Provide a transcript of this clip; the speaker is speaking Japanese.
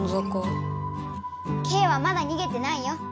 ケイはまだにげてないよ。